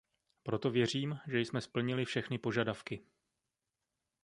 Proto věřím, že jsme splnili všechny požadavky.